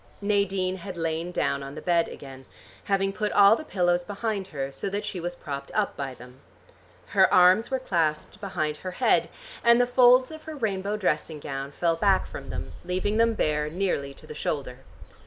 Nadine had lain down on the bed again, having put all the pillows behind her, so that she was propped up by them. Her arms were clasped behind her head, and the folds of her rainbow dressing gown fell back from them leaving them bare nearly to the shoulder.